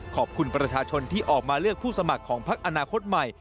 ขอบคุณประชาชนที่ออกมาเลือกผู้สมัครของพักอนาคตใหม่